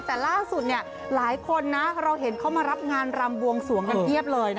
แต่ล่าสุดหลายคนนะเราเห็นเขามารับงานรำบวงสวงกันเพียบเลย